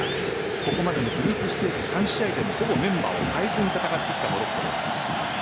ここまでのグループステージ３試合ほぼメンバーを代えずに戦ってきたモロッコです。